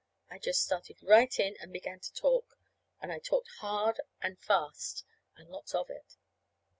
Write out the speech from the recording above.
I just started right in and began to talk. And I talked hard and fast, and lots of it.